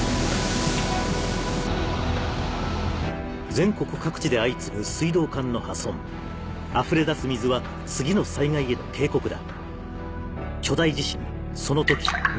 全国各地で相次ぐ水道管の破損あふれ出す水は次の災害への警告だ